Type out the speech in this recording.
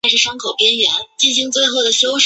这亦是英国最受欢迎的丧礼挽曲。